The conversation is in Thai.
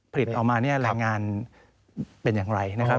ออกมาเนี่ยรายงานเป็นอย่างไรนะครับ